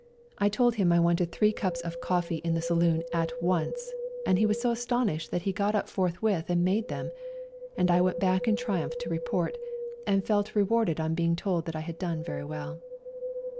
I told him I wanted three cups of coffee in the saloon at once, and he was so as tonished that he got up forthwith and made them, and I went back in triumph to report, and felt rewarded on being told that I had done very well.